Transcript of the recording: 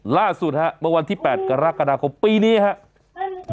ล่าสุดฮะเมื่อวันที่๘กรกฎาคมปีนี้ครับ